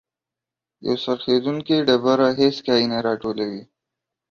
یو څرخیدونکی ډبره هیڅ کای نه راټولوي.